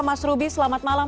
mas ruby selamat malam